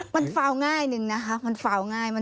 มันฟัวง่ายหนึ่งมันมีการฟัวง่ายมาก